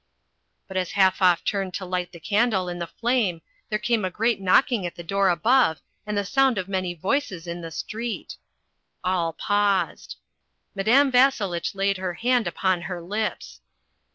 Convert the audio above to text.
But as Halfoff turned to light the candle in the flame there came a great knocking at the door above and the sound of many voices in the street. All paused. Madame Vasselitch laid her hand upon her lips.